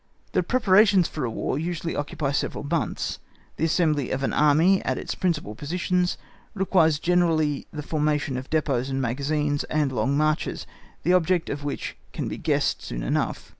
The preparations for a War usually occupy several months; the assembly of an Army at its principal positions requires generally the formation of depôts and magazines, and long marches, the object of which can be guessed soon enough.